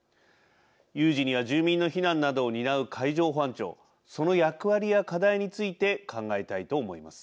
有事には住民の避難などを担う海上保安庁その役割や課題について考えたいと思います。